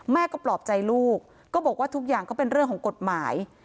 แม่ก็ปลอบใจลูกก็บอกว่าทุกอย่างก็เป็นเรื่องของกฎหมาย